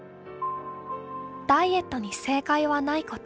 ダイエットに正解はないこと。